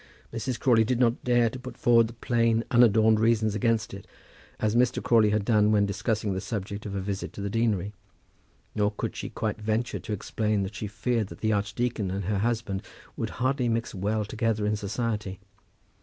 Mrs. Crawley did not dare to put forward the plain unadorned reasons against it, as Mr. Crawley had done when discussing the subject of a visit to the deanery. Nor could she quite venture to explain that she feared that the archdeacon and her husband would hardly mix well together in society.